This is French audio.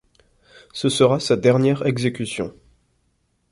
Ce sera sa dernière exécution.